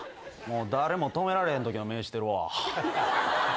誰も止められへんときの目してるわ。